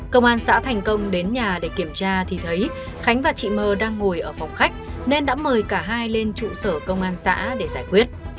công an xã thành công đến nhà để kiểm tra thì thấy khánh và chị m đang ngồi ở phòng khách nên đã mời cả hai lên trụ sở công an xã để giải quyết